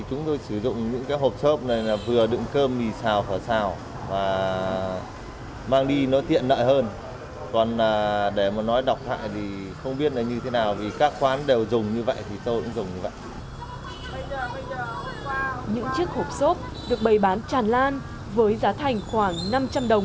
những chiếc hộp xốp được bày bán tràn lan với giá thành khoảng năm trăm linh đồng